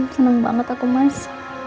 seneng banget aku mas